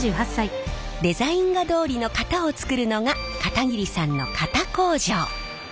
デザイン画どおりの型を作るのが片桐さんの型工場。